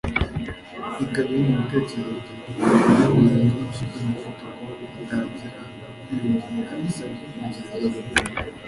reka bibe mubitekerezo byawe ko iyo urenze umusozi umuvuduko utangira kwiyongera. isabukuru nziza